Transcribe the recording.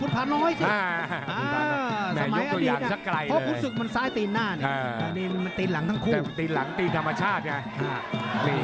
ก็คุณศึกมันซ้ายตีหน้าอันนี้มันตีหลังทั้งคู่